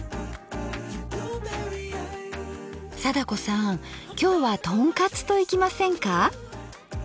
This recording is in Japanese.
貞子さん今日はとんかつといきませんか？